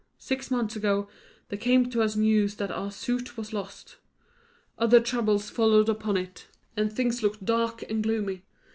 Six months ago, there came to us news that our suit was lost; other troubles followed upon it, and things looked dark and gloomy.